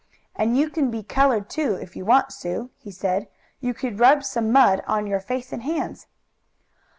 "And you can be colored, too, if you want, Sue," he said. "You could rub some mud on your face and hands."